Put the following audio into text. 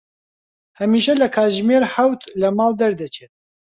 هەمیشە لە کاتژمێر حەوت لە ماڵ دەردەچێت.